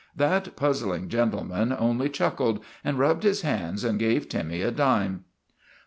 That puzzling gentle man only chuckled and rubbed his hands and gave Timmy a dime.